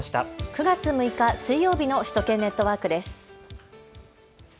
９月６日、水曜日の首都圏ネットワークです。